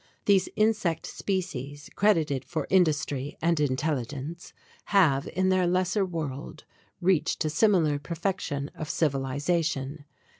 These insect species credited for industry and intelligence, have in their lesser world reached a similar perfection of civilization.